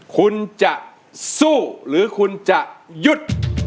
คุณจะสู้หรือคุณจะหยุด